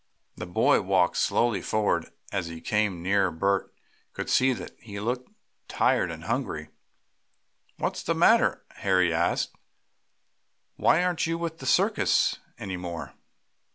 The boy walked slowly forward, and as he came nearer Bert could see that he looked tired and hungry. "What's the matter?" Harry asked. "Why aren't you with the circus any more?